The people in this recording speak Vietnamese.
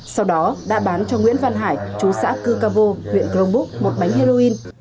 sau đó đã bán cho nguyễn văn hải chú xã cư ca vô huyện crong búc một bánh heroin